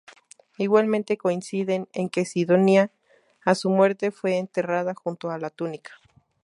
Igualmente, coinciden en que Sidonia, a su muerte, fue enterrada junto a la túnica.